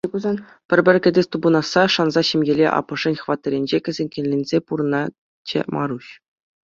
Пӗр-пӗр кӗтес тупӑнасса шанса ҫемьеллӗ аппӑшӗн хваттерӗнче хӗсӗнкелесе пурӑнатчӗ Маруҫ.